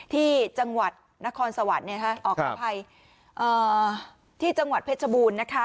ที่จังหวัดนครสวรรค์เนี่ยฮะอ๋อคือพายอ่าที่จังหวัดเพชรบูรณ์นะคะ